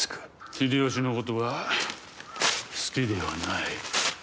秀吉のことは好きではない。